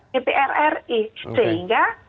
ppr ri sehingga